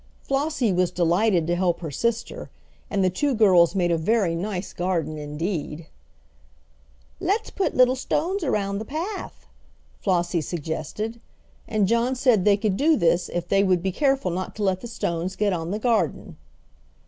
Flossie was delighted to help her sister, and the two girls made a very nice garden indeed. "Let's put little stones around the path," Flossie suggested, and John said they could do this if they would be careful not to let the stones get on the garden.